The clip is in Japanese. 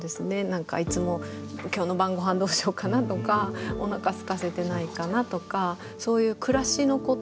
何かいつも今日の晩ごはんどうしようかな？とかおなかすかせてないかな？とか。